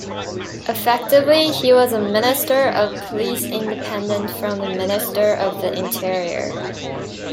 Effectively he was a minister of police independent from the minister of the interior.